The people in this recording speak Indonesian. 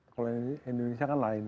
kalau indonesia kan lain